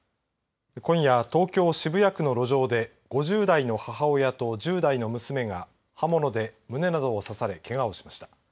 今夜、東京渋谷区の路上で５０代の母親と１０代の娘が刃物で胸などを刺されけがをしました。